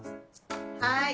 はい。